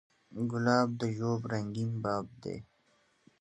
ګلاب د ژوند رنګین باب دی.